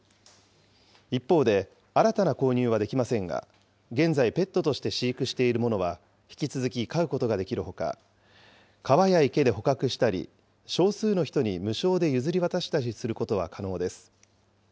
一方で、新たな購入はできませんが、現在、ペットとして飼育しているものは、引き続き飼うことができるほか、川や池で捕獲したり、少数の人に無償で譲り渡したりすることは可能です。